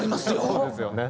そうですよね。